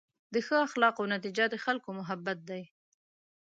د ښه اخلاقو نتیجه د خلکو محبت دی.